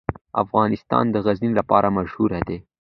افغانستان د غزني لپاره مشهور دی.